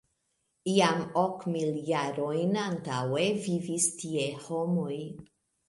Jam ok mil jarojn antaŭe vivis tie homoj.